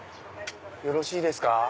よろしいですか？